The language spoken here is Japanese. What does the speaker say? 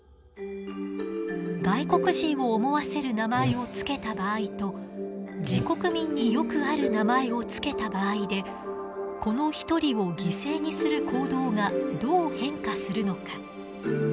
外国人を思わせる名前を付けた場合と自国民によくある名前を付けた場合でこの１人を犠牲にする行動がどう変化するのか。